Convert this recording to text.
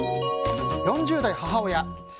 ４０代母親。